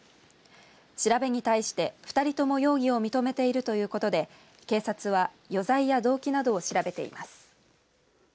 調べに対して２人とも容疑を認めているということで警察は余罪や動機などを調べています。